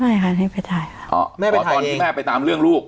ไม่ค่ะนี่ไปถ่ายค่ะอ๋อแม่ไปถ่ายเองอ๋อตอนนี้แม่ไปตามเรื่องลูก